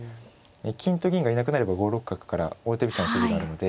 金と銀がいなくなれば５六角から王手飛車の筋があるので。